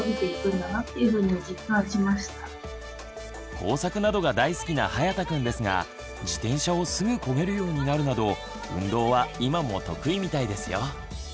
工作などが大好きなはやたくんですが自転車をすぐこげるようになるなど運動は今も得意みたいですよ。